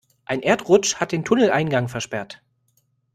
Ein Erdrutsch hat den Tunneleingang versperrt.